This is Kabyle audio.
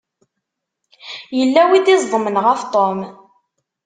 Yella win i d-iẓeḍmen ɣef Tom.